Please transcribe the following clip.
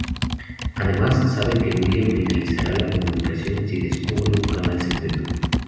Además saben que William finalizará la comunicación si descubre un canal secreto.